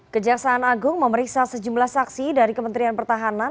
kejaksaan agung memeriksa sejumlah saksi dari kementerian pertahanan